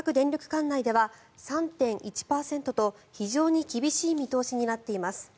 管内では３．１％と非常に厳しい見通しになっています。